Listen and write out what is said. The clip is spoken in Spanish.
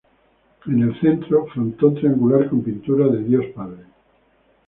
En el centro, frontón triangular con pintura de Dios Padre.